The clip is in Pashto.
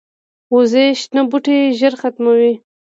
وزې شنه بوټي ژر ختموي